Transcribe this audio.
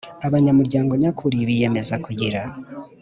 Abanyamuryango nyakuri biyemeza kugira